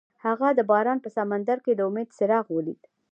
هغه د باران په سمندر کې د امید څراغ ولید.